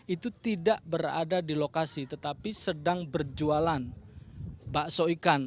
itu tidak berada di lokasi tetapi sedang berjualan bakso ikan